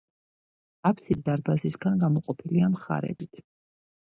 აფსიდი დარბაზისგან გამოყოფილია მხრებით.